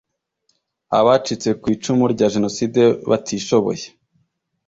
Abacitse ku icumu rya Jenoside batishoboye